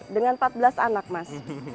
dengan empat belas anak mas